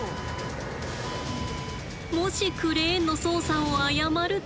もしクレーンの操作を誤ると。